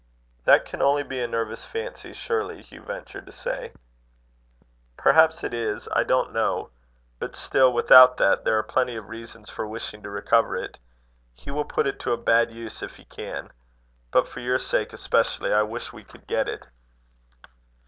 "That can only be a nervous fancy, surely," Hugh ventured to say. "Perhaps it is. I don't know. But, still, without that, there are plenty of reasons for wishing to recover it. He will put it to a bad use, if he can. But for your sake, especially, I wish we could get it."